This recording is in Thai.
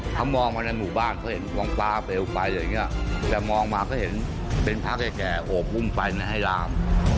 เขามองมาในหมู่บ้านเขาเห็นวังฟ้าเปลวไฟอย่างนี้แต่มองมาก็เห็นเป็นพระแก่โอบอุ้มไปไม่ให้ลาม